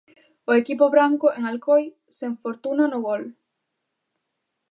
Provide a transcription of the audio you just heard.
O equipo branco en Alcoi sen fortuna no gol.